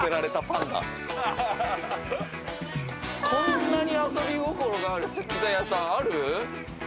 こんなに遊び心がある石材屋さんある？